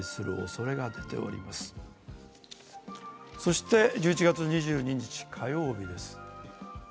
そして１１月２２日火曜日です。